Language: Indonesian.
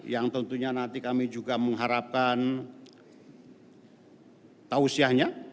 yang tentunya nanti kami juga mengharapkan tausiahnya